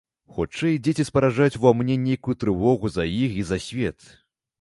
Хутчэй, дзеці спараджаюць у ва мне нейкую трывогу за іх і за свет.